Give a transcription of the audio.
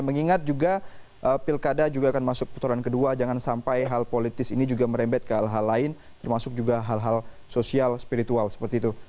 mengingat juga pilkada juga akan masuk putaran kedua jangan sampai hal politis ini juga merembet ke hal hal lain termasuk juga hal hal sosial spiritual seperti itu